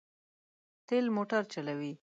تېل موټر چلوي.